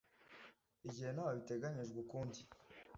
igihe ntaho biteganyijwe ukundi